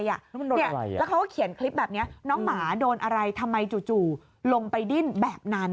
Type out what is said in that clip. แล้วเขาก็เขียนคลิปแบบนี้น้องหมาโดนอะไรทำไมจู่ลงไปดิ้นแบบนั้น